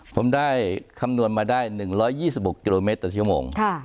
ผมได้คำนวณมาได้๑๒๖กิโลเมตรต่อชั่วโมง